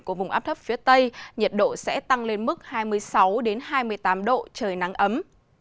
của vùng áp thấp phía tây nhiệt độ sẽ tăng lên mức hai mươi sáu hai mươi tám độ trời nắng ấm